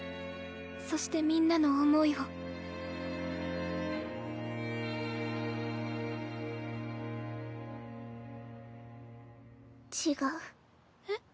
そしてみんなの思いを違うえっ？